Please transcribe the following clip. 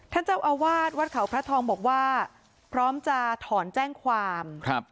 ท่านเจ้าอาวาสวัดเขาพระทองบอกว่าพร้อมจะถอนแจ้งความครับ